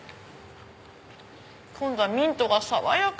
今度はミントが爽やか！